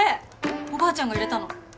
おばあちゃんが入れたの？